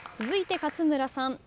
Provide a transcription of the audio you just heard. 続いて勝村さん。